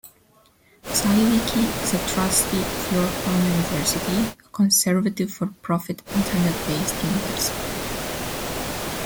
Zywicki is a trustee of Yorktown University, a conservative for-profit Internet-based university.